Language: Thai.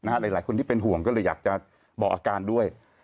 หลายคนที่เป็นห่วงก็เลยอยากจะบอกอาการด้วย